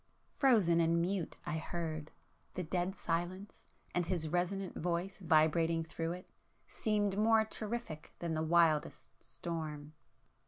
Frozen and mute I heard, ... the dead silence, and his resonant voice vibrating through it, seemed more terrific than the wildest storm.